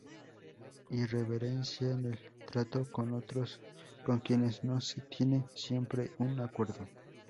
Irreverencia en el trato con otros con quienes no se tiene siempre un acuerdo.